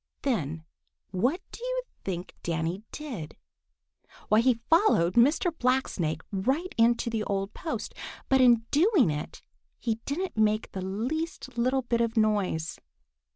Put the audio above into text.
Then what do you think Danny did? Why, he followed Mr. Blacksnake right into the old post, but in doing it he didn't make the least little bit of noise.